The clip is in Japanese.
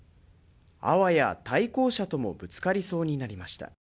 あわや対向車ともぶつかりそうになりました